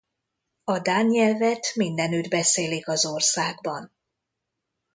A dán nyelvet mindenütt beszélik az országban.